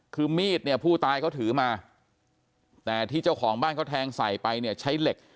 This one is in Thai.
คือมีดเนี่ยผู้ตายเขาถือมาแต่ที่เจ้าของบ้านเขาแทงใส่ไปเนี่ยใช้เหล็ก